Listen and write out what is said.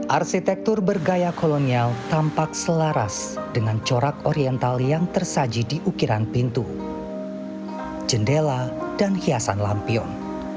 arsitektur bergaya kolonial tampak selaras dengan corak oriental yang tersaji di ukiran pintu jendela dan hiasan lampion